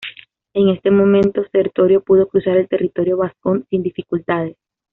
En este momento Sertorio pudo cruzar el territorio vascón sin dificultades.